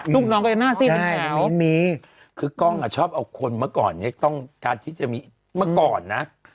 ลูกน้องก็จะหน้าสีขาวคือกล้องอ่ะชอบเอาคนเมื่อก่อนเนี่ยต้องการที่จะมีเมื่อก่อนนะ